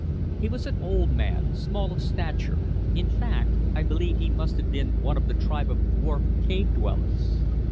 He was an old man, small of stature, in fact, I believe he must have been one of the tribe of dwarf cave dwellers.